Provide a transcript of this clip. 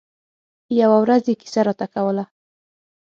يوه ورځ يې کیسه راته کوله.